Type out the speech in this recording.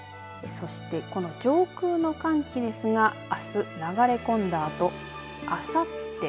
そしてこの上空の寒気ですがあす流れ込んだあとあさって